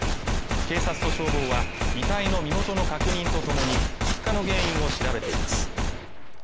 警察と消防は遺体の身元の確認とともに出火の原因を調べています